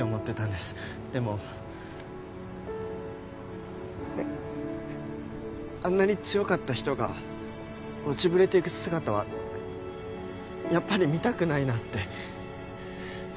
でもあんなに強かった人が落ちぶれていく姿はやっぱり見たくないなって。